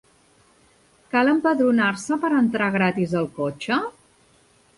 Cal empadronar-se per entrar gratis al cotxe?